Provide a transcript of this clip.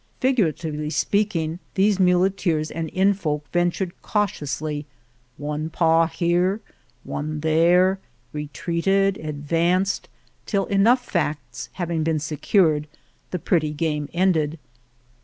Figura tively speaking, these muleteers and inn folk ventured cautiously one paw here, one there, 24 Argamasilla retreated, advanced, till enough facts having been secured, the pretty game ended.